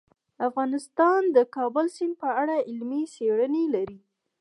افغانستان د د کابل سیند په اړه علمي څېړنې لري.